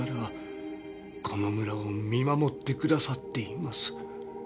この村を見守ってくださっています。